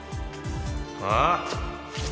ああ？